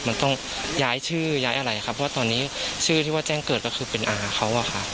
มันต้องย้ายชื่อย้ายอะไรครับเพราะว่าตอนนี้ชื่อที่ว่าแจ้งเกิดก็คือเป็นอาเขาอะค่ะ